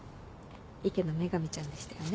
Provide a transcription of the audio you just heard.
池野メガ美ちゃんでしたよね？